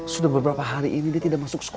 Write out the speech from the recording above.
sudah beberapa hari ini dia tidak masuk sekolah